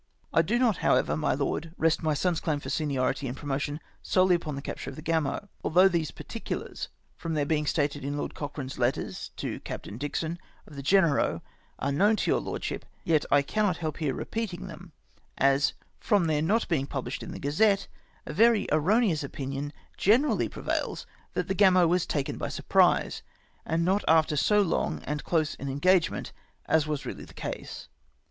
" I do not, however, my Lord, rest my son's claim for seniority in promotion solely upon the capture of the Gavio* Although these particulars, from their being stated in Lord Cochrane's letters to Captain Dixon of the Genereux, are known to your Lordship, yet I cannot help here repeating them, ^s from their not being published in the Gazette a very erroneous opinion generally prevails that the Gamo ivas taken by surprise, and not after so long and close an engagement as was really the case.